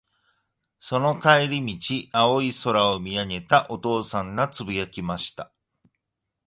その帰り道、青い空を見上げたお父さんが、つぶやきました。